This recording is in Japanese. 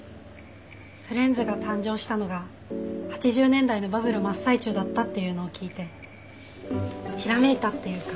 フレンズが誕生したのが８０年代のバブル真っ最中だったっていうのを聞いてひらめいたっていうか。